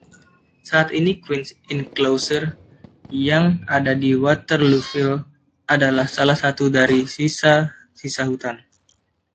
Saat ini Queens Inclosure yang ada di Waterlooville adalah salah satu dari sisa-sisa hutan.